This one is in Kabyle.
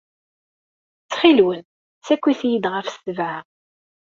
Ttxil-wen, ssakit-iyi-d ɣef ssebɛa.